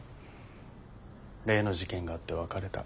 例の事件があって別れた。